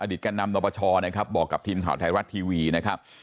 อดิษฐกันนำนบชรนะครับบอกกับทีมหาวไทยรัตทีวีนะครับ